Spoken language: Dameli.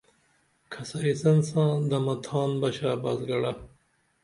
کھسریسن ساں دمہ تھان بہ شاباس گڑہ